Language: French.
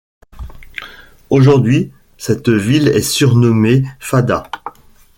Aujourd'hui, cette ville est surnommée Fada.